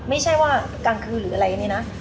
ไม่ใช่ว่ากลางคืนหรืออะไรเนี่ยนะ